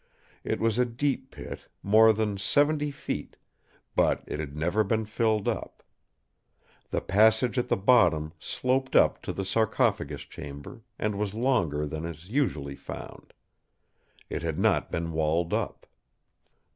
It was a deep pit, more than seventy feet; but it had never been filled up. The passage at the bottom sloped up to the sarcophagus Chamber, and was longer than is usually found. It had not been walled up.